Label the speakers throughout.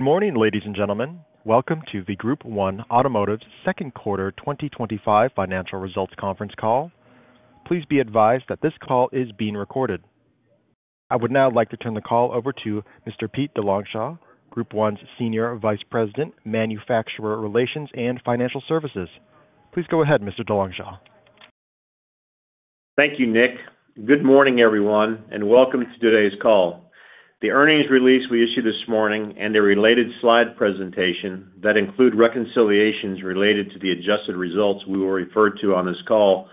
Speaker 1: Good morning, ladies and gentlemen. Welcome to the Group one Automotive's Second Quarter twenty twenty five Financial Results Conference Call. Please be advised that this call is being recorded. I would now like to turn the call over to Mr. Pete DeLongshaw, Group one's Senior Vice President, Manufacturer Relations and Financial Services. Please go ahead, DeLongshaw.
Speaker 2: Thank you, Nick. Good morning, everyone, and welcome to today's call. The earnings release we issued this morning and a related slide presentation that include reconciliations related to the adjusted results we will refer to on this call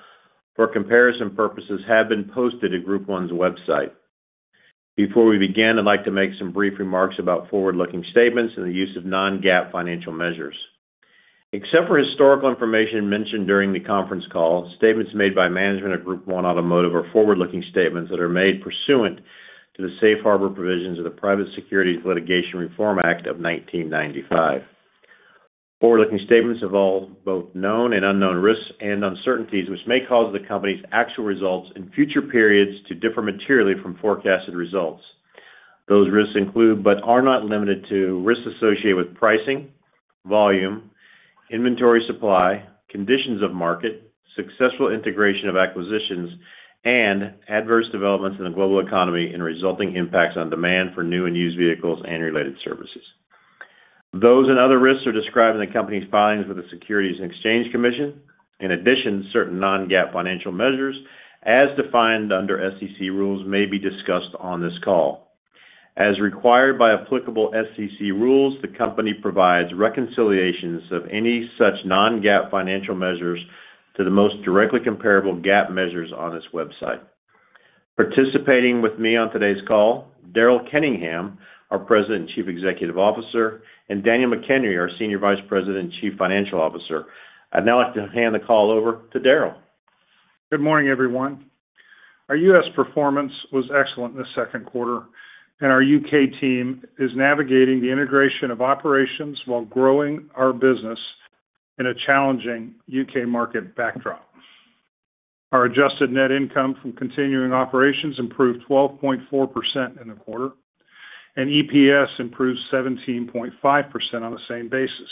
Speaker 2: for comparison purposes have been posted at Group one's website. Before we begin, I'd like to make some brief remarks about forward looking statements and the use of non GAAP financial measures. Except for historical information mentioned during the conference call, statements made by management of Group one Automotive are forward looking statements that are made pursuant to the Safe Harbor provisions of the Private Securities Litigation Reform Act of 1995. Forward looking statements involve both known and unknown risks and uncertainties which may cause the company's actual results in future periods to differ materially from forecasted results. Those risks include, but are not limited to, risks associated with pricing, volume, inventory supply, conditions of market, successful integration of acquisitions, and adverse developments in the global economy and resulting impacts on demand for new and used vehicles and related services. Those and other risks are described in the company's filings with the Securities and Exchange Commission. In addition, certain non GAAP financial measures as defined under SEC rules may be discussed on this call. As required by applicable SEC rules, the company provides reconciliations of any such non GAAP financial measures to the most directly comparable GAAP measures on its website. Participating with me on today's call, Daryl Kenningham, our President and Chief Executive Officer, and Daniel McKenary, our Senior Vice President and Chief Financial Officer. I'd now like to hand the call over to Daryl.
Speaker 3: Good morning, everyone. Our U. S. Performance was excellent in the second quarter and our UK Team is navigating the integration of operations while growing our business in a challenging UK market backdrop. Our adjusted net income from continuing operations improved 12.4% in the quarter, and EPS improved 17.5% on the same basis.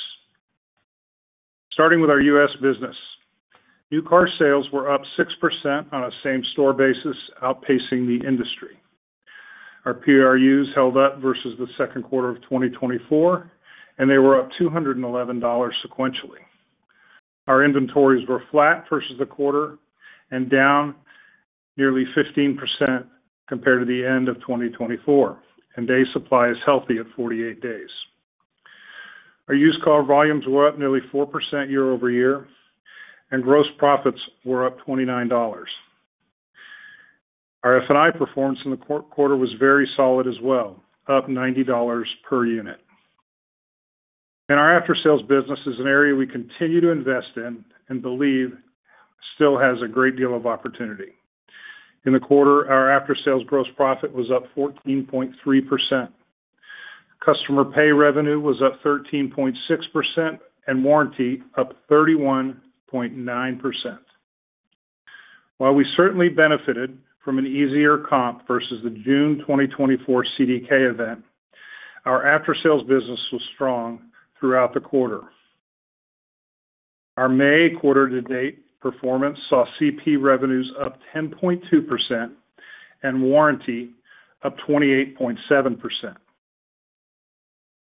Speaker 3: Starting with our U. S. Business, new car sales were up 6% on a same store basis, outpacing the industry. Our PRUs held up versus the 2024 and they were up $211 sequentially. Our inventories were flat versus the quarter and down nearly 15% compared to the end of twenty twenty four, and day supply is healthy at forty eight days. Our used car volumes were up nearly 4% year over year and gross profits were up $29 Our F and I performance in the quarter was very solid as well, up $90 per unit. And our after sales business is an area we continue to invest in and believe still has a great deal of opportunity. In the quarter, our aftersales gross profit was up 14.3%. Customer pay revenue was up 13.6% and warranty up 31.9. While we certainly benefited from an easier comp versus the June twenty twenty four CDK event, our aftersales business was strong throughout the quarter. Our May to date performance saw CP revenues up 10.2% and warranty up 28.7%.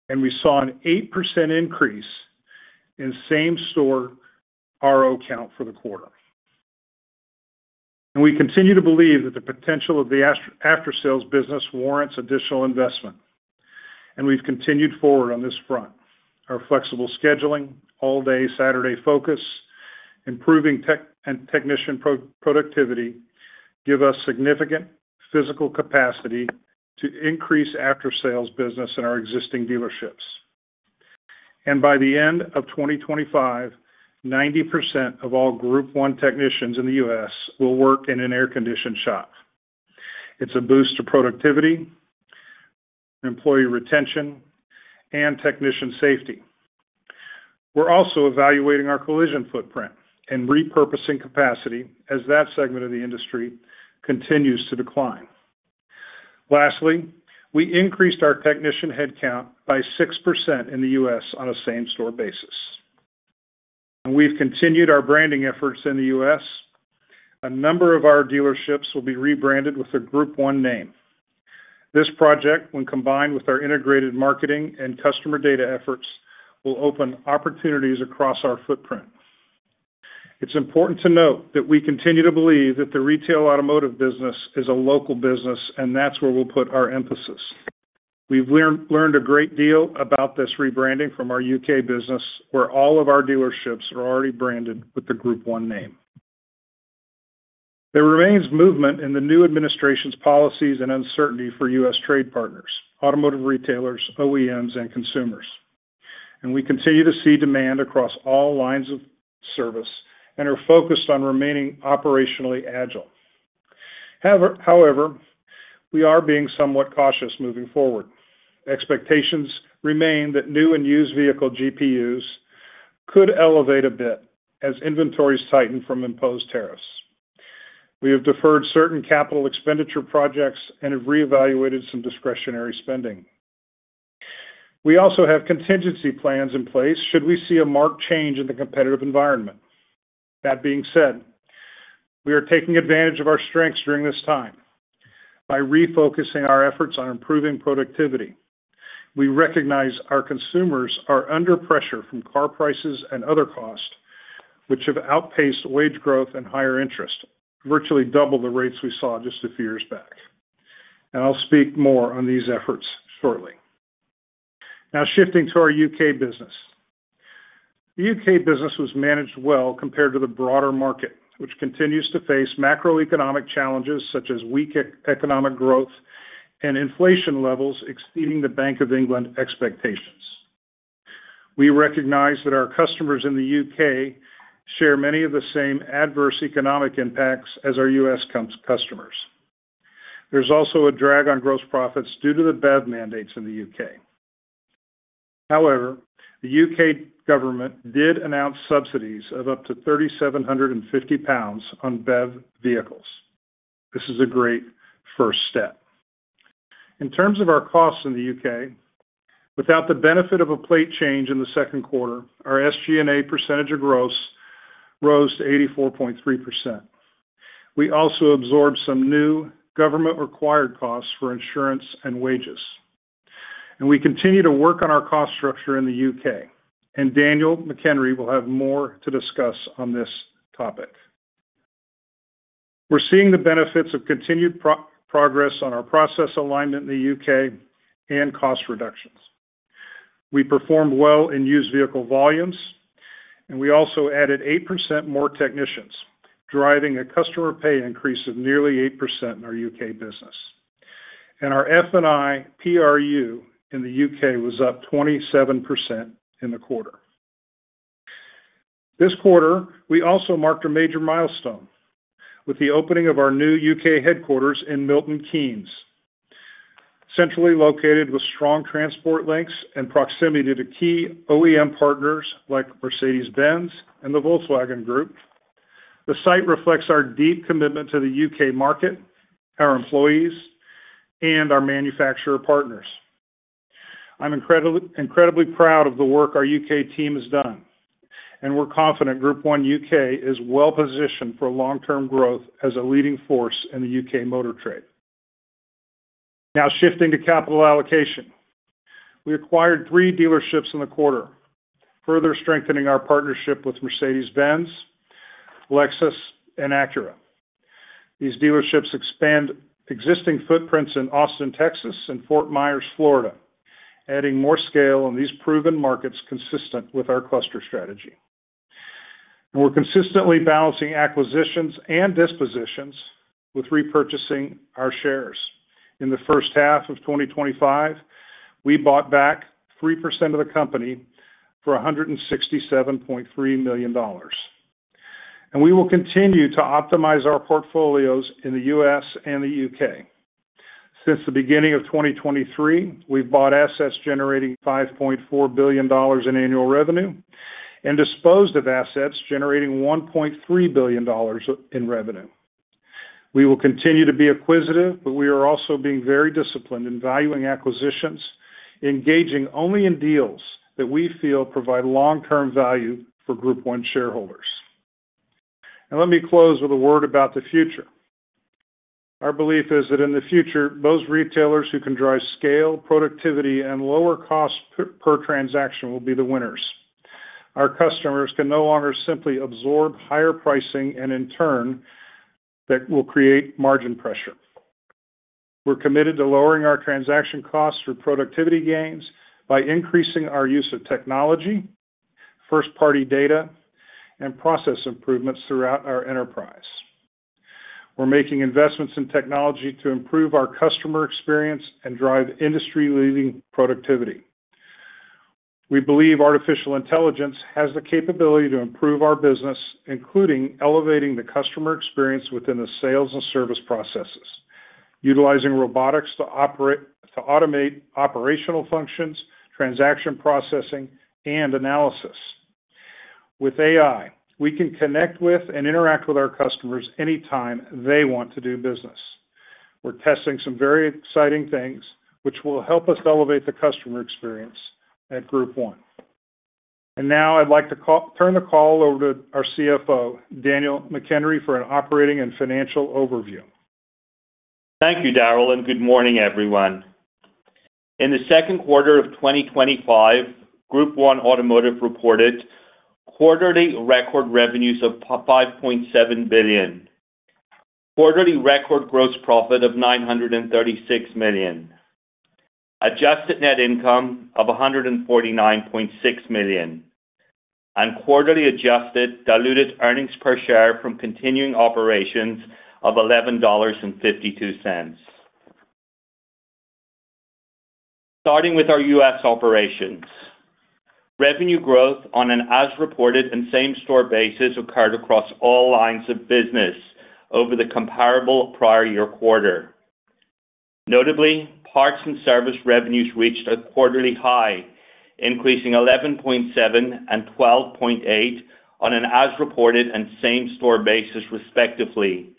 Speaker 3: And we saw an 8% increase in same store RO count for the quarter. We continue to believe that the potential of the aftersales business warrants additional investment, and we have continued forward on this front. Our flexible scheduling, all day Saturday focus, improving technician productivity give us significant physical capacity to increase after sales business in our existing dealerships. By the end of twenty twenty five, 90% of all group one technicians in The US will work in an air conditioned shop. It is a boost to productivity, employee retention, and technician safety. We are also evaluating our collision footprint and repurposing capacity as that segment of the industry continues to decline. Lastly, we increased our technician headcount by 6% in The US on a same store basis. We have continued our branding efforts in The U. S. A number of our dealerships will be rebranded with a Group one name. This project, when combined with our integrated marketing and customer data efforts, will open opportunities across our footprint. It is important to note that we continue to believe that the retail automotive business is a local business and that is where we will put our emphasis. We have learned a great deal about this rebranding from our UK business where all of our dealerships are already branded with the Group one name. There remains movement in the new administration's policies and uncertainty for U. S. Trade partners, automotive retailers, OEMs, and consumers. We continue to see demand across all lines of service and are focused on remaining operationally agile. However, we are being somewhat cautious moving forward. Expectations remain that new and used vehicle GPUs could elevate a bit as inventories tighten from imposed tariffs. We have deferred certain capital expenditure projects and have reevaluated some discretionary spending. We also have contingency plans in place should we see a marked change in the competitive environment. That being said, we are taking advantage of our strengths during this time by refocusing our efforts on improving productivity. We recognize our consumers are under pressure from car prices and other costs, which have outpaced wage growth and higher interest, virtually double the rates we saw just a few years back. I will speak more on these efforts shortly. Now shifting to our UK business. The UK business was managed well compared to the broader market, which continues to face macroeconomic challenges such as weak economic growth and inflation levels exceeding the Bank of England expectations. We recognize that our customers in The UK share many of the same adverse economic impacts as our US customers. There is also a drag on gross profits due to the BEV mandates in The UK. However, the UK government did announce subsidies of up to £3,750 on BEV vehicles. This is a great first step. In terms of our costs in The UK, without the benefit of a plate change in the second quarter, our SG and A percentage of gross rose to 84.3%. We also absorbed some new government required costs for insurance and wages. We continue to work on our cost structure in The UK, and Daniel McHenry will have more to discuss on this topic. We are seeing the benefits of continued progress on our process alignment in The UK and cost reductions. We performed well in used vehicle volumes and we also added 8% more technicians, driving a customer pay increase of nearly 8% in our UK business. Our F and I PRU in The UK was up 27 in the quarter. This quarter, we also marked a major milestone with the opening of our new UK headquarters in Milton Keynes, centrally located with strong transport links and proximity to key OEM partners like Mercedes Benz and the Volkswagen Group. The site reflects our deep commitment to The UK market, our employees, and our manufacturer partners. I am incredibly proud of the work our UK team has done, and we are confident Group one UK is well positioned for long term growth as a leading force in The UK motor trade. Now shifting to capital allocation. We acquired three dealerships in the quarter, further strengthening our partnership with Mercedes Benz, Lexus, and Acura. These dealerships expand existing footprints in Austin, Texas and Fort Myers, Florida, adding more scale in these proven markets consistent with our cluster strategy. We are consistently balancing acquisitions and dispositions with repurchasing our shares. In the first half of twenty twenty five, we bought back 3% of the company for $167,300,000 We will continue to optimize our portfolios in The US and The UK. Since the beginning of 2023, we have bought assets generating $5,400,000,000 in annual revenue and disposed of assets generating $1,300,000,000 in revenue. We will continue to be acquisitive, but we are also being very disciplined in valuing acquisitions, engaging only in deals that we feel provide long term value for Group one shareholders. Let me close with a word about the future. Our belief is that in the future, most retailers who can drive scale, productivity, and lower cost per transaction will be the winners. Our customers can no longer simply absorb higher pricing and in turn that will create margin pressure. We are committed to lowering our transaction costs through productivity gains by increasing our use of technology, first party data, and process improvements throughout our enterprise. We are making investments in technology to improve our customer experience and drive industry leading productivity. We believe artificial intelligence has the capability to improve our business, including elevating the customer experience within the sales and service processes, utilizing robotics to automate operational functions, transaction processing, and analysis. With AI, we can connect with and interact with our customers anytime they want to do business. We are testing some very exciting things, which will help us elevate the customer experience at Group one. And now, I'd like to turn the call over to our CFO, Daniel McHenry, an operating and financial overview.
Speaker 4: Thank you, Daryl, and good morning, everyone. In the second quarter of twenty twenty five, Group one Automotive reported quarterly record revenues of $5,700,000,000 quarterly record gross profit of $936,000,000 adjusted net income of $149,600,000 and quarterly adjusted diluted earnings per share from continuing operations of $11.52 Starting with our U. S. Operations. Revenue growth on an as reported and same store basis occurred across all lines of business over the comparable prior year quarter. Notably, parts and service revenues reached a quarterly high, increasing 11.712.8% on an as reported and same store basis respectively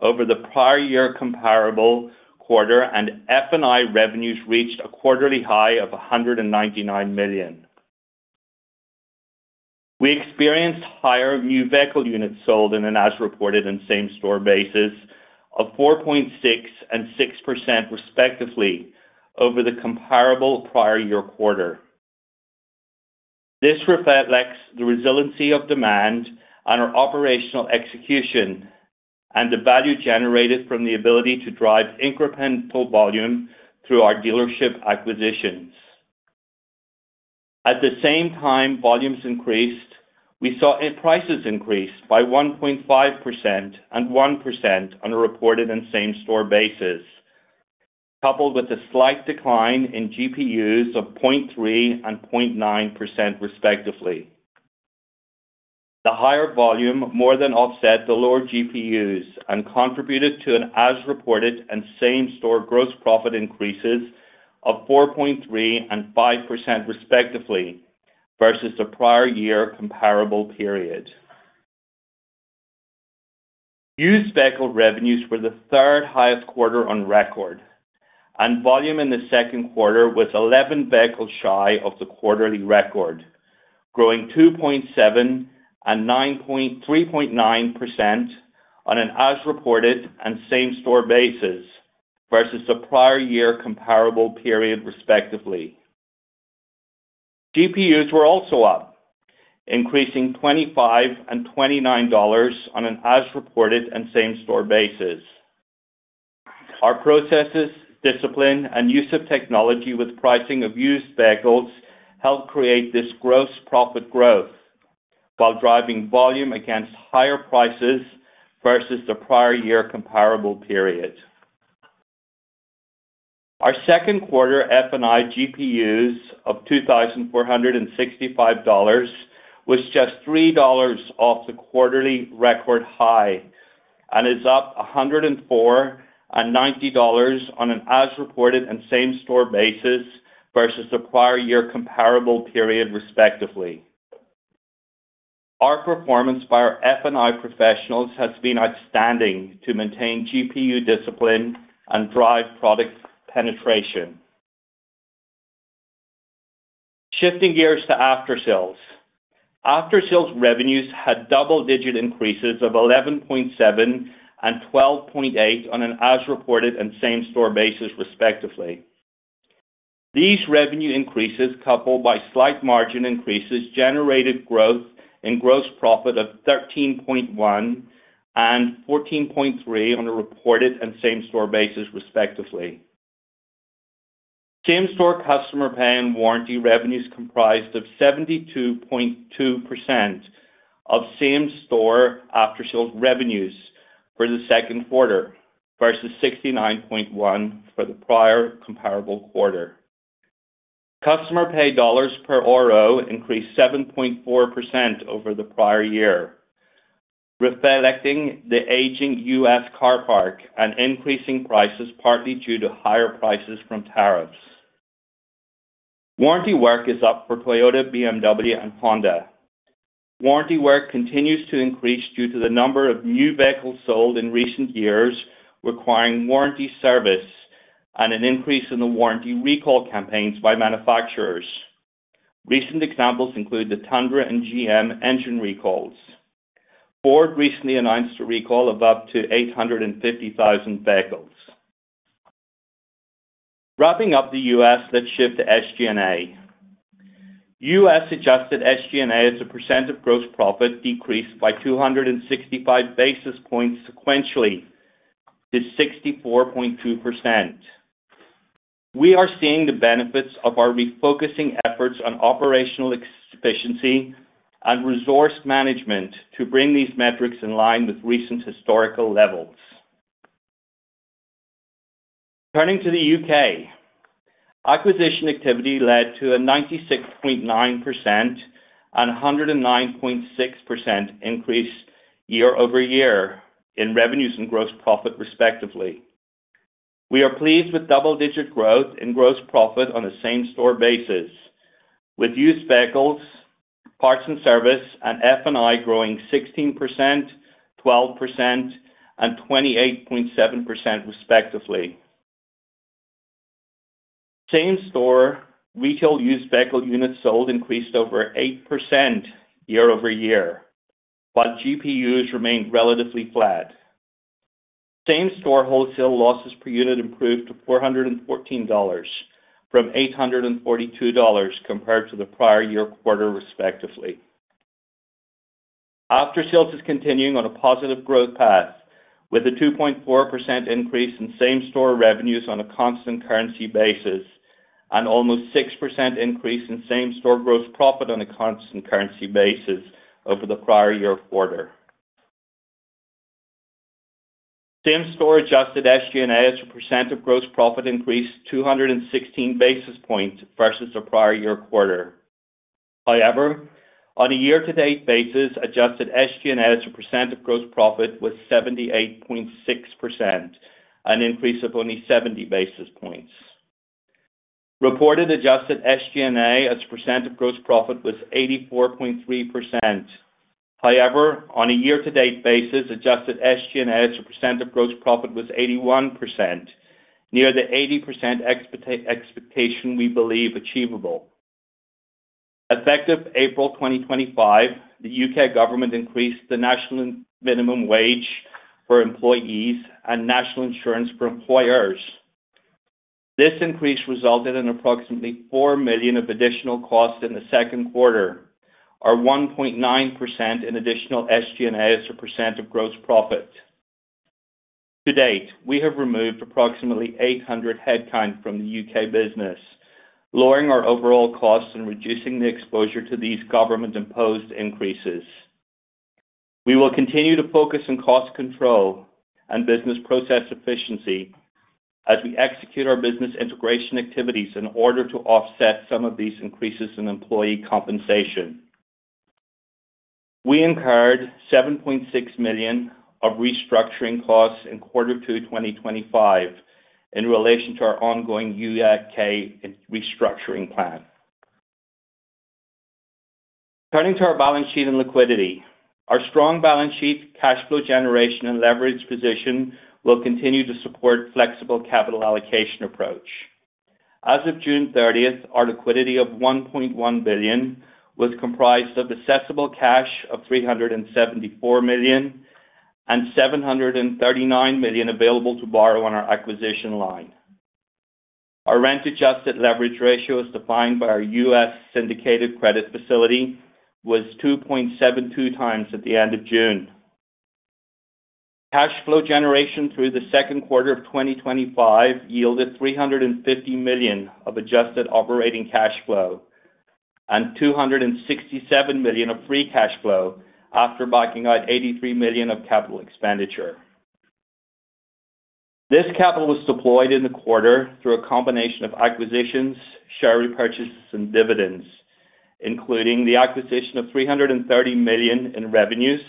Speaker 4: over the prior year comparable quarter and F and I revenues reached a quarterly high of $199,000,000 We experienced higher new vehicle units sold in an as reported and same store basis of 4.66% respectively over the comparable prior year quarter. This reflects the resiliency of demand on our operational execution and the value generated from the ability to drive incremental volume through our dealership acquisitions. At the same time volumes increased, we saw prices increased by 1.51% on a reported and same store basis, coupled with a slight decline in GPUs of 0.30.9% respectively. The higher volume more than offset the lower GPUs and contributed to an as reported and same store gross profit increases of 4.35% respectively versus the prior year comparable period. Used vehicle revenues were the third highest quarter on record, and volume in the second quarter was 11 vehicles shy of the quarterly record, growing 2.73.9% on an as reported and same store basis versus the prior year comparable period respectively. GPUs were also up, increasing $25 and $29 on an as reported and same store basis. Our processes, discipline and use of technology with pricing of used vehicles helped create this gross profit growth, while driving volume against higher prices versus the prior year comparable period. Our second quarter F and I GPUs of $2,465 was just $3 off the quarterly record high and is up $104 and $90 on an as reported and same store basis versus the prior year comparable period respectively. Our performance by our F and I professionals has been outstanding to maintain GPU discipline and drive product penetration. Shifting gears to aftersales. Aftersales revenues had double digit increases of 11.712.8% on an as reported and same store basis, respectively. These revenue increases coupled by slight margin increases generated growth in gross profit of 13,100,000.0 and 14,300,000.0 on a reported and same store basis, respectively. Same store customer pay and warranty revenues comprised of 72.2 percent of same store after sales revenues for the second quarter versus 69.1% for the prior comparable quarter. Customer pay dollars per RO increased 7.4% over the prior year, reflecting the aging U. S. Car park and increasing prices partly due to higher prices from tariffs. Warranty work is up for Toyota, BMW, and Honda. Warranty work continues to increase due to the number of new vehicles sold in recent years requiring warranty service and an increase in the warranty recall campaigns by manufacturers. Recent examples include the Tundra and GM engine recalls. Ford recently announced a recall of up to 850,000 vehicles. Wrapping up The U. S, let's shift to SG and A. U. S. Adjusted SG and A as a percent of gross profit decreased by two sixty five basis points sequentially to 64.2. We are seeing the benefits of our refocusing efforts on operational efficiency and resource management to bring these metrics in line with recent historical levels. Turning to The UK, acquisition activity led to a 96.9109.6% increase year over year in revenues and gross profit respectively. We are pleased with double digit growth in gross profit on a same store basis, with used vehicles, parts and service and F and I growing 16%, 1228.7% respectively. Same store retail used vehicle units sold increased over 8% year over year, while GPUs remained relatively flat. Same store wholesale losses per unit improved to $414 from $842 compared to the prior year quarter, respectively. Aftersales is continuing on a positive growth path, with a 2.4 increase in same store revenues on a constant currency basis and almost 6% increase in same store gross profit on a constant currency basis over the prior year quarter. Same store adjusted SG and A as a percent of gross profit increased two sixteen basis points versus the prior year quarter. However, on a year to date basis, adjusted SG and A as a percent of gross profit was 78.6%, an increase of only 70 basis points. Reported adjusted SG and A as a percent of gross profit was 84.3. However, on a year to date basis, adjusted SG and A as a percent of gross profit was 81%, near the 80% expectation we believe achievable. Effective April 2025, the UK government increased the national minimum wage for employees and national insurance for employers. This increase resulted in approximately $4,000,000 of additional costs in the second quarter, or 1.9% in additional SG and A as a percent of gross profit. To date, we have removed approximately 800 headcount from The UK business, lowering our overall cost and reducing the exposure to these government imposed increases. We will continue to focus on cost control and business process efficiency as we execute our business integration activities in order to offset some of increases in employee compensation. We incurred $7,600,000 of restructuring costs in quarter two twenty twenty five in relation to our ongoing UEIK restructuring plan. Turning to our balance sheet and liquidity. Our strong balance sheet, cash flow generation and leverage position will continue to support flexible capital allocation approach. As of June 30, our liquidity of $1,100,000,000 was comprised of accessible cash of $374,000,000 and $739,000,000 available to borrow on our acquisition line. Our rent adjusted leverage ratio is defined by our U. S. Syndicated credit facility was 2.72 times at the June. Cash flow generation through the 2025 yielded $350,000,000 of adjusted operating cash flow and $267,000,000 of free cash flow after backing out $83,000,000 of capital expenditure. This capital was deployed in the quarter through a combination of acquisitions, share repurchases and dividends, including the acquisition of $330,000,000 in revenues,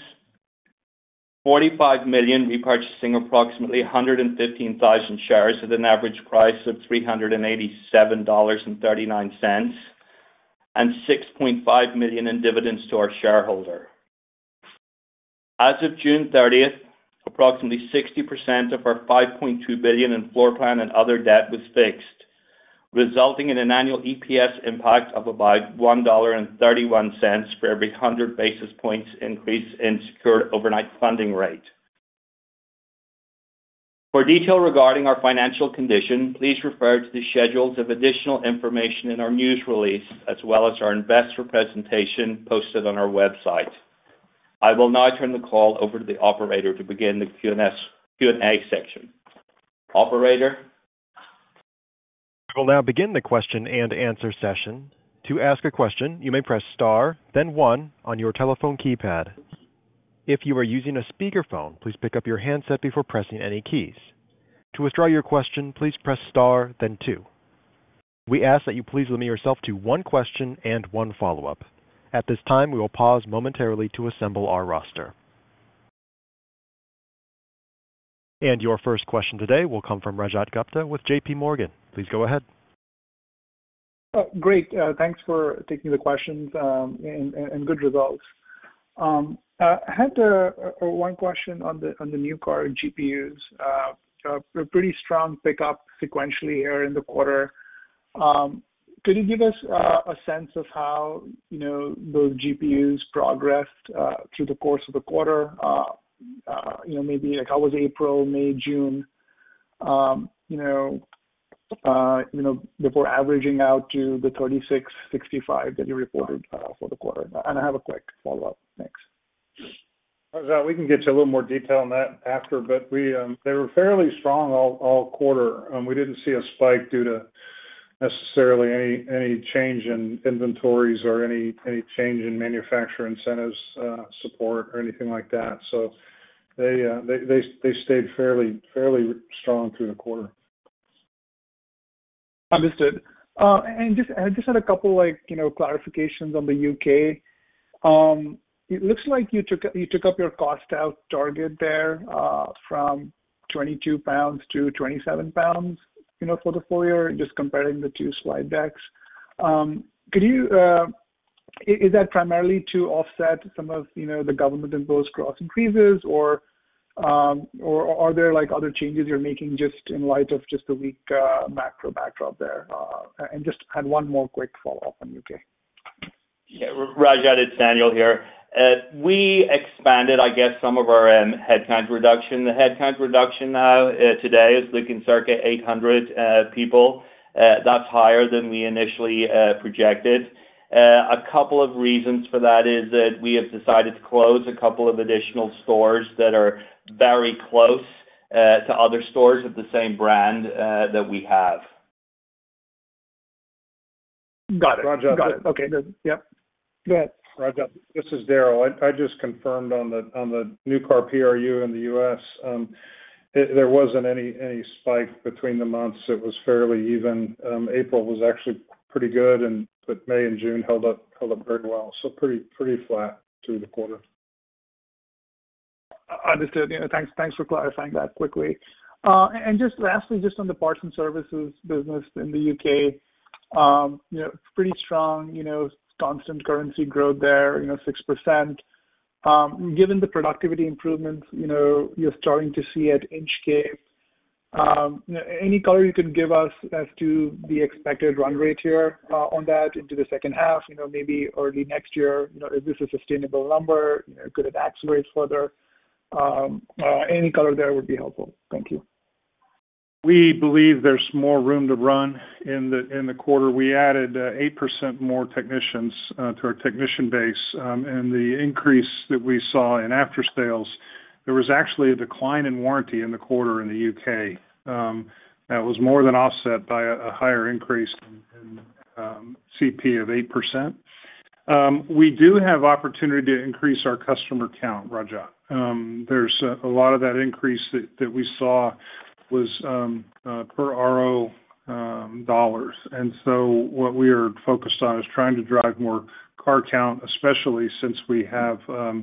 Speaker 4: 45,000,000 repurchasing approximately 115,000 shares at an average price of 3 and $87.39 and $6,500,000 in dividends to our shareholder. As of June 30, approximately 60% of our $5,200,000,000 in floor plan and other debt was fixed, resulting in an annual EPS impact of about $1.31 for every 100 basis points increase in secured overnight funding rate. For detail regarding our financial condition, please refer to the schedules of additional information in our news release as well as our investor presentation posted on our website. I will now turn the call over to the operator to begin the Q and A section. Operator?
Speaker 1: Session. And your first question today will come from Rajat Gupta with JPMorgan. Please go ahead.
Speaker 5: Great. Thanks for taking the questions and good results. I had one question on the new car GPUs, a pretty strong pickup sequentially here in the quarter. Could you give us a sense of how those GPUs progressed through the course of the quarter? Maybe like how was April, May, June before averaging out to the 3,665 that you reported for the quarter? And I have a quick follow-up. Thanks.
Speaker 3: We can get you a little more detail on that after, but they were fairly strong all quarter. We did not see a spike due to necessarily any change in inventories or any change in manufacturer incentives support or anything like that. Stayed fairly strong through the quarter.
Speaker 5: Understood. I just had a couple of clarifications on The UK. It looks like you took up your cost out target there from 22 pounds to 27 pounds for the full year, just comparing the two slide decks. Is that primarily to offset some of the government imposed gross increases or are there like other changes you're making just in light of just the weak macro backdrop there? And just had one more quick follow-up on UK.
Speaker 4: Rajat, it's Daniel here. We expanded, I guess, some of our headcount reduction. The headcount reduction now today is the circa 800 people. That's higher than we initially projected. A couple of reasons for that is that we have decided to close a couple of additional stores that are very close to other stores of the same brand that we have.
Speaker 3: Got it. Rajat, is Daryl. I just confirmed on the new car PRU in The US, there wasn't any spike between the months. Was fairly even. April was actually pretty good, but May and June held up very well. So pretty flat through the quarter.
Speaker 5: Understood. Thanks for clarifying that quickly. And just lastly, just on the parts and services business in The UK, pretty strong constant currency growth there, 6%. Given the productivity improvements, you're starting to see at Inchcape, any color you can give us as to the expected run rate here on that into the second half, maybe early next year, is this a sustainable number? Could it accelerate further? Any color there would be helpful. Thank you.
Speaker 3: We believe there's more room to run-in the quarter. We added 8% more technicians to our technician base and the increase that we saw in after sales, there was actually a decline in warranty in the quarter in The UK. That was more than offset by a higher increase in CP of 8%. We do have opportunity to increase our customer count, Rajat. A lot of that increase that we saw was per RO dollars. And so what we are focused on is trying to drive more car count, especially since we have 8%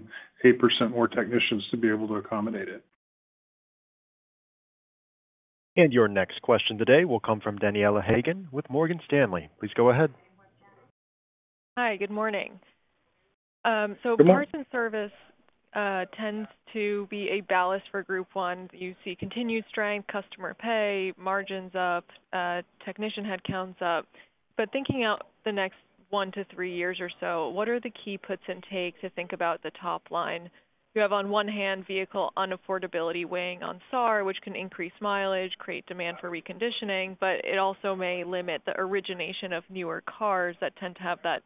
Speaker 3: more technicians to be able to accommodate it.
Speaker 1: And your next question today will come from Daniella Hagan with Morgan Stanley. Please go ahead.
Speaker 6: Good morning. So parts and service tends to be a ballast for group one. You see continued strength, customer pay, margins up, technician headcounts up. But thinking out the next one to three years or so, what are the key puts and takes to think about the top line? You have, on one hand, vehicle unaffordability weighing on SAR, which can increase mileage, create demand for reconditioning, but it also may limit the origination of newer cars that tend to have that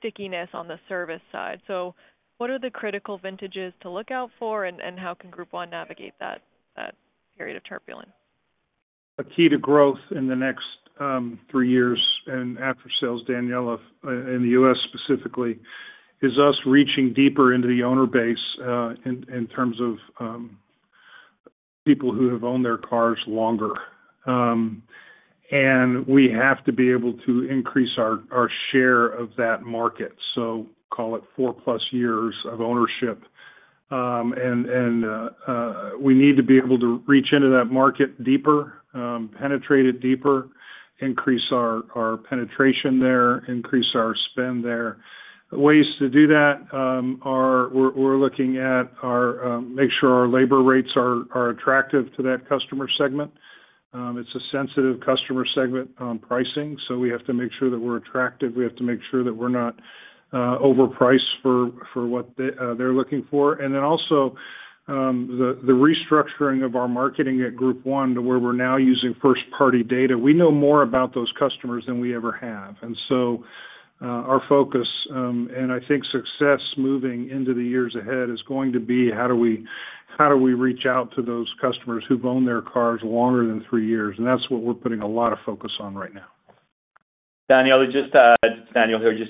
Speaker 6: stickiness on the service side. So what are the critical vintages to look out for, how can Group one navigate that period of turbulence?
Speaker 3: A key to growth in the next three years and after sales, Daniela, in The US specifically, is us reaching deeper into the owner base in terms of people who have owned their cars longer. And we have to be able to increase our share of that market. So call it four plus years of ownership And we need to be able to reach into that market deeper, penetrated deeper, increase our penetration there, increase our spend there. Ways to do that are we're looking at our sure our labor rates are attractive to that customer segment. It's a sensitive customer segment on pricing, so we have to make sure that we're attractive. We have to make sure that we're not overpriced for what they're looking for. And then also, the restructuring of our marketing at Group one to where we're now using first party data. We know more about those customers than we ever have. And so our focus and I think success moving into the years ahead is going to be how do we reach out to those customers who've owned their cars longer than three years. And that's what we're putting a lot of focus on right now.
Speaker 4: Daniel here,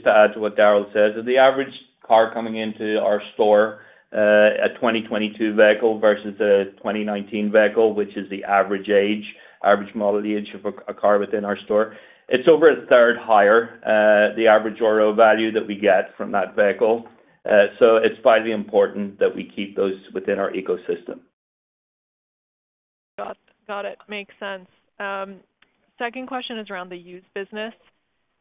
Speaker 4: to add to what Daryl says, the average car coming into our store, a twenty twenty two vehicle versus a twenty nineteen vehicle, which is the average age, average model of the inch of a car within our store, It's over a third higher, the average RO value that we get from that vehicle. So it's vitally important that we keep those within our ecosystem.
Speaker 6: Got it. Makes sense. Second question is around the used business.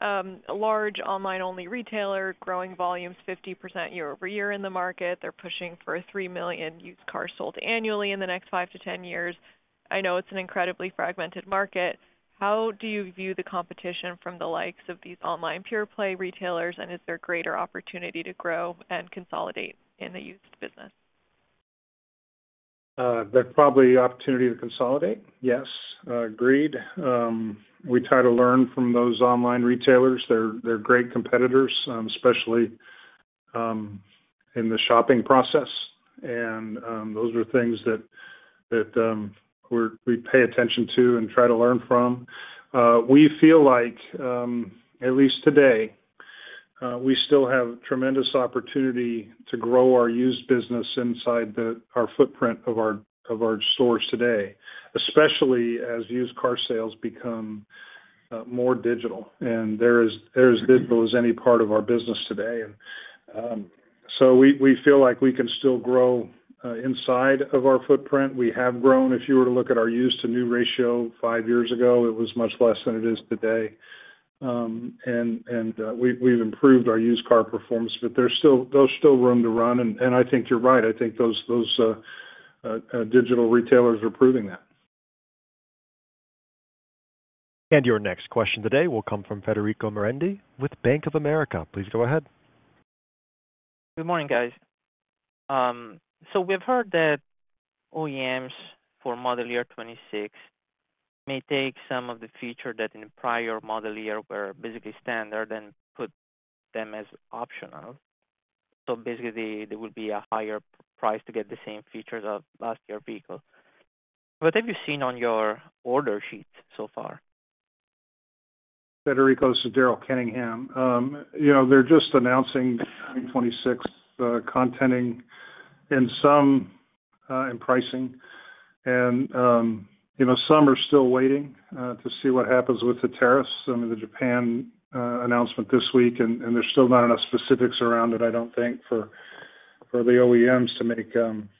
Speaker 6: A large online only retailer, growing volumes 50% year over year in the market. They're pushing for 3,000,000 used cars sold annually in the next five to ten years. I know it's an incredibly fragmented market. How do you view the competition from the likes of these online pure play retailers, and is there a greater opportunity to grow and consolidate in the used business?
Speaker 3: There's probably opportunity to consolidate, yes, agreed. We try to learn from those online retailers. They're great competitors, especially in the shopping process. Those are things that we pay attention to and try to learn from. We feel like, at least today, we still have tremendous opportunity to grow our used business inside our footprint of stores today, especially as used car sales become more digital. There is little as any part of our business today. So we feel like we can still grow inside of our footprint. We have grown if you were to look at our used to new ratio five years ago, it was much less than it is today. We've improved our used car performance, but there's still room to run and I think you're right. I think those digital retailers are proving that.
Speaker 1: And your next question today will come from Federico Marendi with Bank of America. Please go ahead.
Speaker 7: Good morning, guys. So we've heard that OEMs for model year '26 may take some of the feature that in prior model year were basically standard and put them as optional. So, basically, there would be a higher price to get the same features of last year vehicle. What have you seen on your order sheets so far?
Speaker 3: Federico, this is Daryl Kenningham. They're just announcing '26 contenting in some pricing. Some are still waiting to see what happens with the tariffs. I mean, the Japan announcement this week and there's still not enough specifics around it, I don't think for the OEMs to make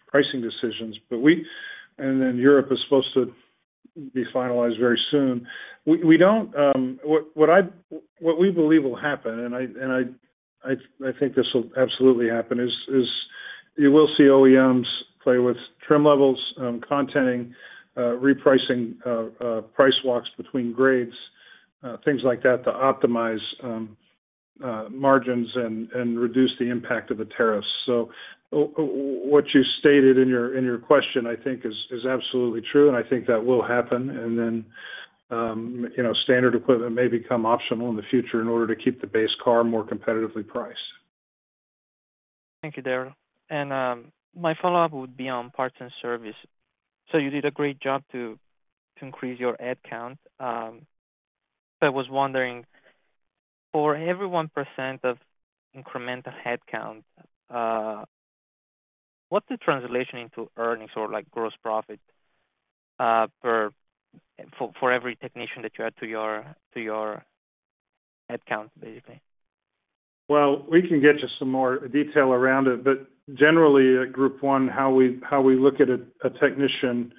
Speaker 3: pricing decisions. Then Europe is supposed to be finalized very soon. What we believe will happen and I think this will absolutely happen, is you will see OEMs play with trim levels, contenting, repricing price walks between grades, things like that to optimize margins and reduce the impact of the tariffs. So what you stated in your question, I think is absolutely true and I think that will happen. Then standard equipment may become optional in the future in order to keep the base car more competitively priced.
Speaker 7: Thank you, Daryl. And my follow-up would be on parts and service. So you did a great job to increase your headcount. So I was wondering, for every 1% of incremental headcount, what's the translation into earnings or, like, gross profit for for for every technician that you add to your to your headcount, basically?
Speaker 3: Well, we can get you some more detail around it. But generally, at Group one, how we look at a technician,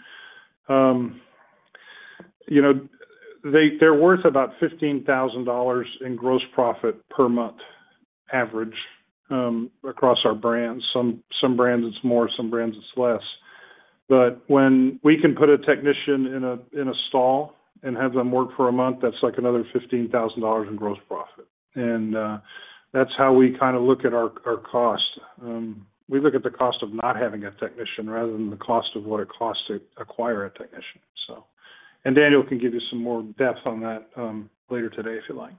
Speaker 3: they're worth about $15,000 in gross profit per month average across our brands. Some brands it's more, some brands it's less. But when we can put a technician in stall and have them work for a month, that's like another $15,000 in gross profit. That's how we kind of look at our costs. We look at the cost of not having a technician rather than the cost of what it costs to acquire a technician. And Daniel can give you some more depth on that later today if you like.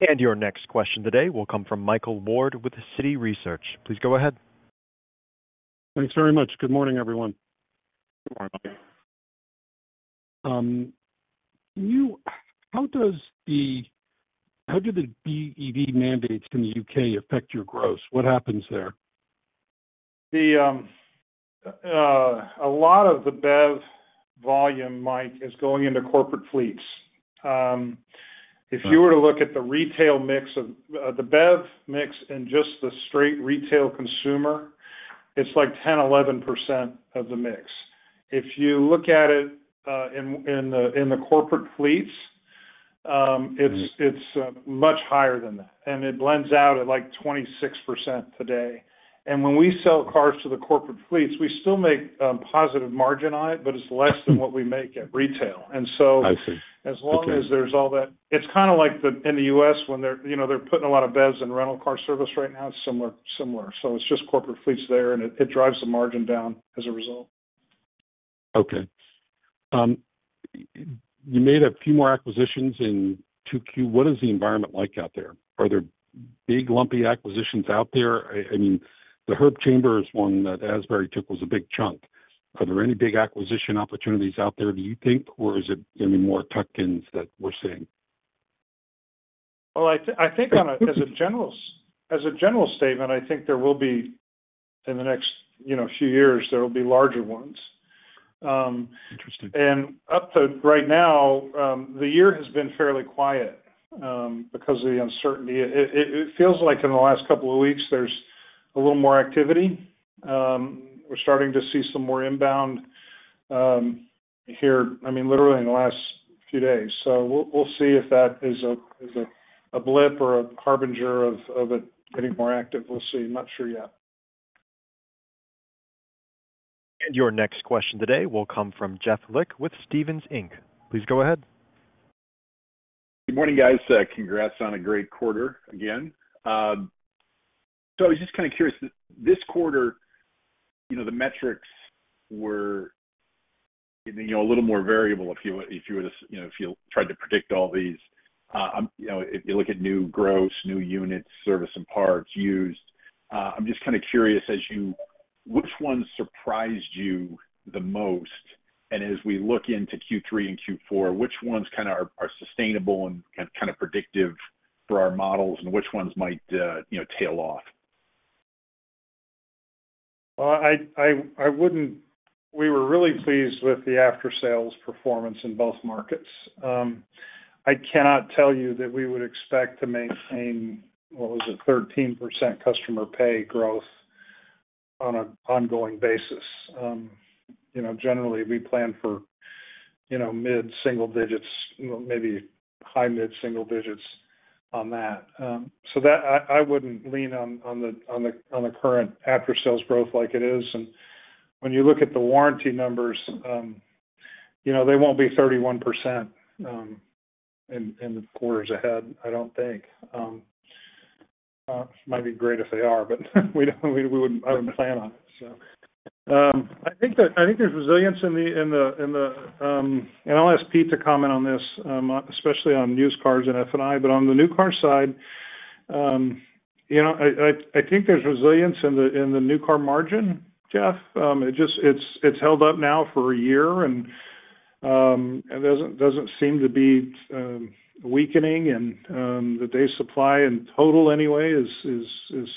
Speaker 1: And your next question today will come from Michael Ward with Citi Research. Please go ahead.
Speaker 8: Thanks very much. Good morning, everyone. How do the BEV mandates in The UK affect your gross? What happens there?
Speaker 3: A lot of the BEV volume, Mike, is going into corporate fleets. If you were to look at the retail mix of the BEV mix and just the straight retail consumer, it is like 10% or 11% of the mix. If you look at it in the corporate fleets, it is much higher than that and it blends out at like 26% today. When we sell cars to the corporate fleets, we still make positive margin on it, but it is less than what we make at retail.
Speaker 8: I see.
Speaker 3: As long as there is all that, it is kind of like in The US when they are putting a lot of beds in rental car service right now, So it is just corporate fleets there and it drives the margin down as a result.
Speaker 8: Okay. You made a few more acquisitions in 2Q. What is the environment like out there? Are there big lumpy acquisitions out there? Mean, herb chambers one that Asbury took was a big chunk. Are there any big acquisition opportunities out there, do you think? Or is it more tuck ins that we are seeing?
Speaker 3: I think as a general statement, I think there will be in the next few years, will be larger ones. Up to right now, the year has been fairly quiet because of the uncertainty. It feels like in the last couple of weeks there is a little more activity. We are starting to see some more inbound here literally in the last few days. We will see if that is a blip or a harbinger of it getting more active. Will see. I am not sure yet.
Speaker 1: And your next question today will come from Jeff Lick with Stephens Inc. Please go ahead.
Speaker 9: Good morning, guys. Congrats on a great quarter again. So I was just kind of curious, this quarter, the metrics were a little more variable if tried to predict all these. If you look at new gross, new units, service and parts, used, I'm just kind of curious as you which ones surprised you the most? And as we look into Q3 and Q4, which ones kind of are sustainable and kind of predictive for our models and which ones might tail off?
Speaker 3: We were really pleased with the after sales performance in both markets. I cannot tell you that we would expect to maintain what was it, 13% customer pay growth on an ongoing basis. Generally, we plan for mid single digits, maybe high mid single digits on that. I wouldn't lean on the current after sales growth like it is. You look at the warranty numbers, they won't be 31% in the quarters ahead, I don't think. Might be great if they are, but I wouldn't plan on it. Think there's resilience in the and I'll ask Pete to comment on this, especially on used cars and F and I, but on the new car side, I think there's resilience in new car margin, Jeff. It's held up now for a year and doesn't seem to be weakening and the day supply in total anyway is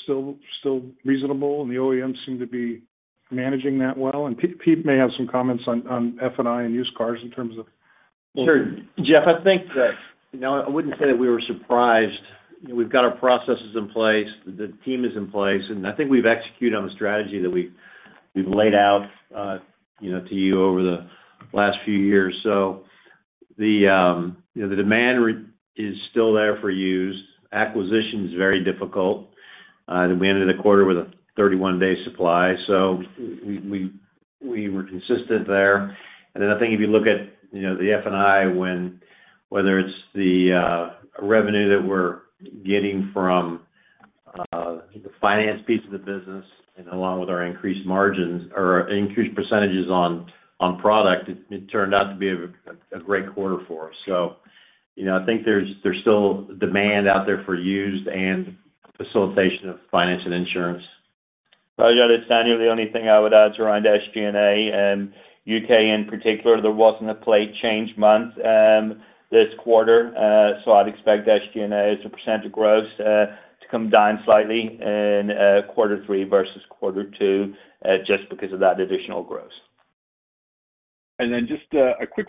Speaker 3: still reasonable and the OEMs seem to be managing that well. And Pete may have some comments on F and I and used cars in terms of
Speaker 2: Sure, Jeff, I think that I wouldn't say that we were surprised. We've got our processes in place, the team is in place, and I think we've executed on the strategy that we've laid out to you over the last few years. So the demand is still there for used, acquisition is very difficult, and we ended the quarter with a thirty one day supply. So we were consistent there. And then I think if you look at, you know, the F and I when whether it's the revenue that we're getting from the finance piece of the business and along with our increased margins or increased percentages on product, it turned out to be a great quarter for us. So I think there's still demand out there for used and facilitation of finance and insurance.
Speaker 4: Rajat, it's Daniel. The only thing I would add to our SG and A UK in particular, there wasn't a plate change month this quarter. So I'd expect SG and A as a percent of gross to come down slightly in quarter three versus quarter two just because of that additional growth.
Speaker 9: And then just a quick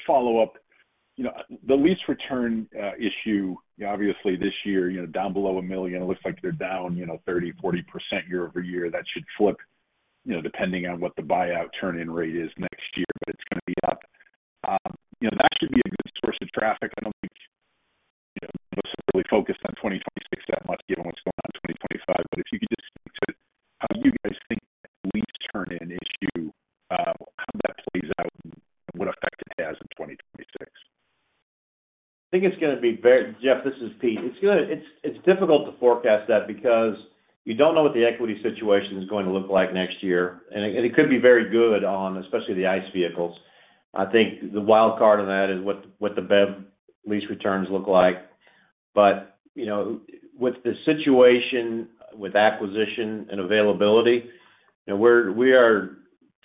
Speaker 9: follow-up. The lease return issue, obviously, this year, down below $1,000,000 it looks like they're down 30%, 40% year over year. That should flip depending on what the buyout turn in rate is next year, but it's going to be up. That should be a good source of traffic. I think, know, necessarily focused on 2026 that much given what's going on in 2025, but if you could just speak to how do you guys think lease turn in issue, how that plays out and what effect it has in 2026?
Speaker 2: I think it's going to be very Jeff, this is Pete. It's going to it's difficult to forecast that because you don't know what the equity situation is going to look like next year. And it could be very good on especially the ICE vehicles. I think the wild card of that is what what the BEV lease returns look like. But, you know, with the situation with acquisition and availability, you know, we're we are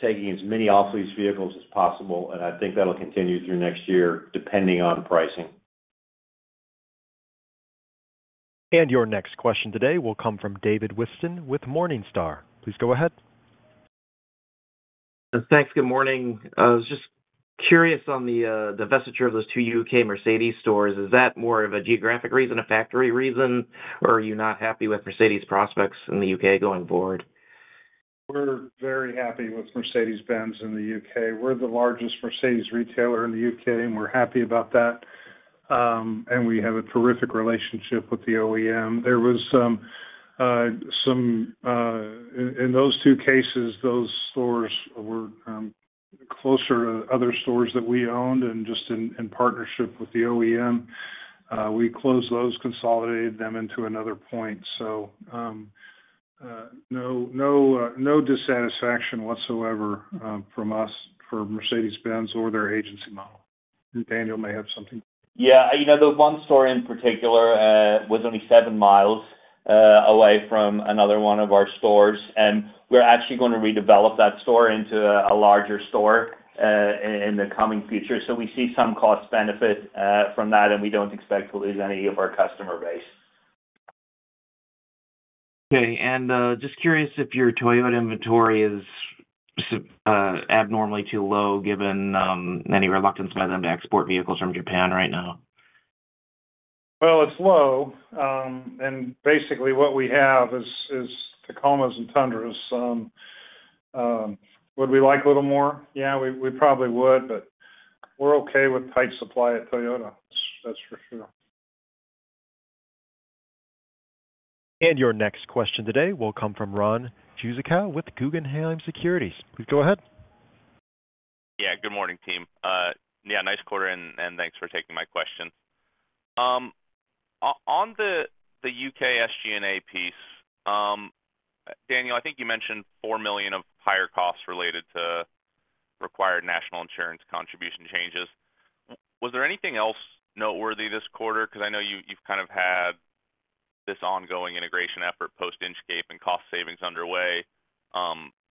Speaker 2: taking as many off lease vehicles as possible, and I think that'll continue through next year depending on pricing.
Speaker 1: And your next question today will come from David Whiston with Morningstar. Please go ahead.
Speaker 10: Thanks. Good morning. I was just curious on the divestiture of those two UK Mercedes stores. Is that more of a geographic reason, a factory reason? Or are you not happy with Mercedes prospects in The UK going forward?
Speaker 3: We're very happy with Mercedes Benz in The UK. We're the largest Mercedes retailer in The UK and we're happy about that. And we have a terrific relationship with the OEM. There was some in those two cases, those stores were closer to other stores that we owned and just in partnership with the OEM. We closed those consolidated them into another point. So no dissatisfaction whatsoever from us for Mercedes Benz or their agency model. Daniel may have something.
Speaker 4: Yeah, the one store in particular was only seven miles away from another one of our stores. And we're actually going to redevelop that store into a larger store in the coming future. So we see some cost benefit from that, and we don't expect to lose any of our customer base.
Speaker 10: Okay. And just curious if your Toyota inventory is abnormally too low given any reluctance by them to export vehicles from Japan right now.
Speaker 3: Well, it's low and basically what we have is Tacomas and Tundras. Would we like a little more? Yeah, we probably would, but we are okay with tight supply at Toyota. That's for sure.
Speaker 1: And your next question today will come from Ron Juszakow with Guggenheim Securities. Please go ahead.
Speaker 11: Yeah. Good morning, team. Yeah. Nice quarter and and thanks for taking my question. On The UK SG and A piece, Daniel, I think you mentioned $4,000,000 of higher costs related to required National Insurance contribution changes. Was there anything else noteworthy this quarter? Because I know you've kind of had this ongoing integration effort post Inkscape and cost savings underway,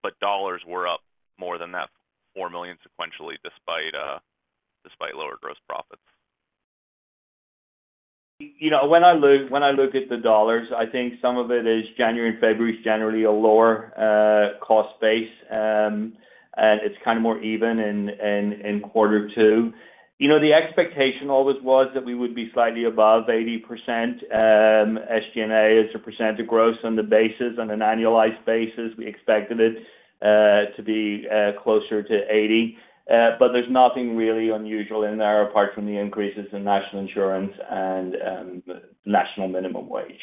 Speaker 11: but dollars were up more than that $4,000,000 sequentially despite lower gross profits.
Speaker 4: When I look at the dollars, I think some of it is January and February is generally a lower cost base. It's kind of more even in quarter The expectation always was that we would be slightly above 80% SG and A as a percent of gross on the basis on an annualized basis, we expected it to be closer to 80. But there's nothing really unusual in there apart from the increases in national insurance and national minimum wage.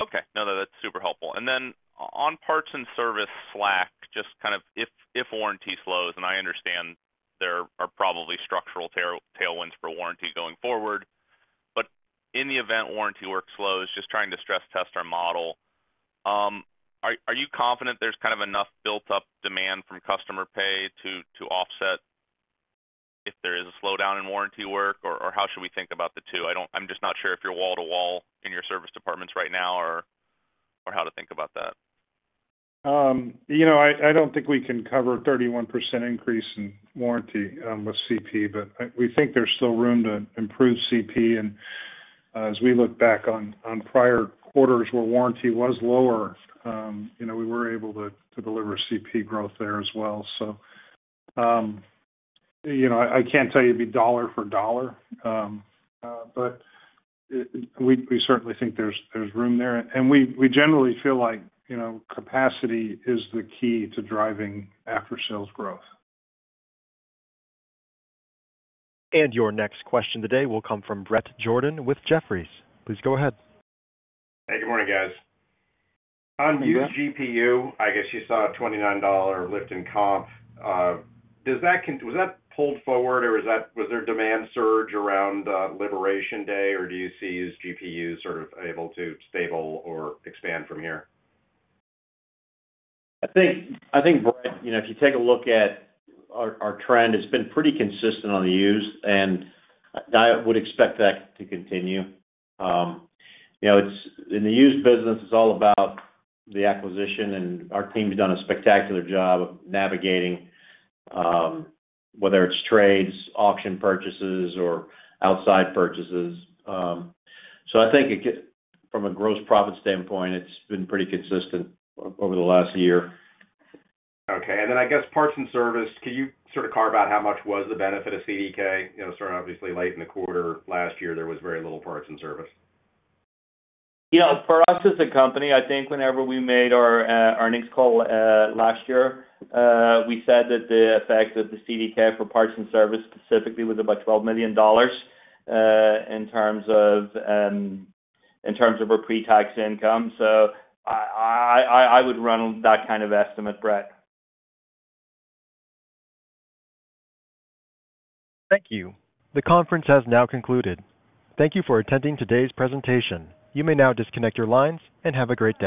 Speaker 11: Okay. No, that's super helpful. And then on parts and service slack, just kind of if warranty slows, and I understand there are probably structural tailwinds for warranty going forward. But in the event warranty work slows, just trying to stress test our model, are you confident there's kind of enough built up demand from customer pay to offset if there is a slowdown in warranty work? Or how should we think about the two? I'm just not sure if you're wall to wall in your service departments right now or how to think about that.
Speaker 3: I don't think we can cover 31% increase in warranty with CP, but we think there's still room to improve CP. As we look back on prior quarters where warranty was lower, we were able to deliver CP growth there as well. So I can't tell you the dollar for dollar, but we certainly think there's room there. And we generally feel like capacity is the key to driving after sales growth.
Speaker 1: And your next question today will come from Bret Jordan with Jefferies. Please go ahead.
Speaker 12: Hey, good morning guys. On used GPU, I guess you saw a $29 lift in comp. Does that was that pulled forward or was that was there a demand surge around Liberation Day or do you see GPUs sort of able to stable or expand from here?
Speaker 2: I think, you know, if you take a look at our trend, it's been pretty consistent on the used and I would expect that to continue. You know, it's in the used business, it's all about the acquisition, and our team's done a spectacular job of navigating, whether it's trades, auction purchases, or outside purchases. So I think from a gross profit standpoint, it's been pretty consistent over the last year. Okay, and then I guess parts and service, can you sort of carve out how much was the benefit of CDK, know, sort of obviously late in the quarter last year, there was very little parts and service.
Speaker 4: For us as a company, I think whenever we made our earnings call last year, we said that the effect of the CDK for parts and service specifically was about $12,000,000 terms of our pre tax income. So I would run that kind of estimate, Brett.
Speaker 1: Thank you. The conference has now concluded. Thank you for attending today's presentation. You may now disconnect your lines, and have a great day.